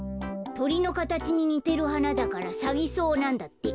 とりのかたちににてるはなだからサギソウなんだって。